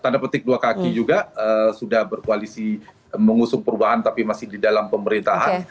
di situ juga sudah berkualisi mengusung perubahan tapi masih di dalam pemerintahan